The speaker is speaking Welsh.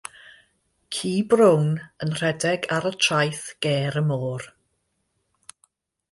Ci brown yn rhedeg ar y traeth ger y môr